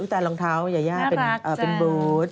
แต่รองเท้ายาย่าเป็นบูธ